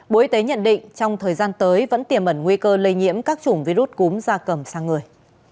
bộ y tế nhận định trong thời gian tới vẫn tiềm ẩn nguy cơ lây nhiễm các chủng virus cúm da cầm sang người